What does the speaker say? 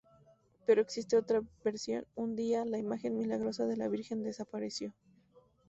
Pero existe otra versión: Un día, la imagen milagrosa de la Virgen desapareció.